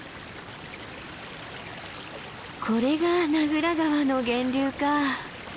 これが名蔵川の源流か。